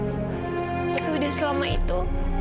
sudah selama itu